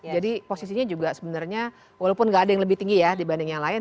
jadi posisinya juga sebenarnya walaupun enggak ada yang lebih tinggi ya dibanding yang lain